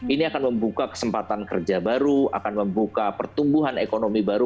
ini akan membuka kesempatan kerja baru akan membuka pertumbuhan ekonomi baru